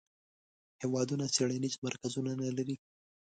هیوادونه څیړنیز مرکزونه نه لري.